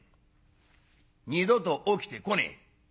「二度と起きてこねえ」。